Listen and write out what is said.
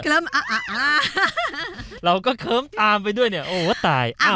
เราก็เคิมตามไปด้วยเนี่ย